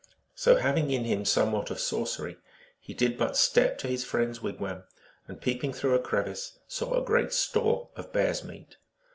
So having in him somewhat of sorcery, he did but step to his friend s wigwam, and, peeping through a crevice, saw a great store of bear s meat.